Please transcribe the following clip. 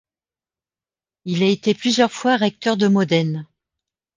Il a été plusieurs fois recteur de Modène.